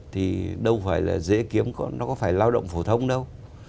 thì đâu phải là dễ kiếm nó có phải là lao động phổ thông đâu